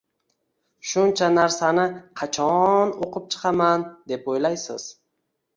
“Shuncha narsani qacho-o-o-n o‘qib chiqaman”, deb o‘ylaysiz.